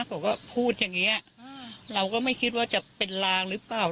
เขาก็พูดอย่างเงี้ยอ่าเราก็ไม่คิดว่าจะเป็นลางหรือเปล่า